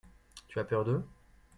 Tu as peur d'eux ?